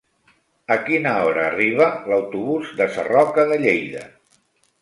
A quina hora arriba l'autobús de Sarroca de Lleida?